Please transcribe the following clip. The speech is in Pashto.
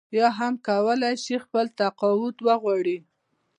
یا هم کولای شي خپل تقاعد وغواړي.